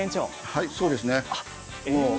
はい、そうですね。